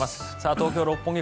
東京・六本木